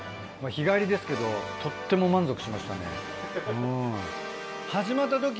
日帰りですけどとっても満足しましたねうん。